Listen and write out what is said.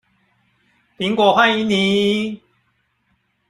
蘋果歡迎你